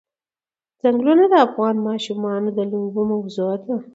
چنګلونه د افغان ماشومانو د لوبو موضوع ده.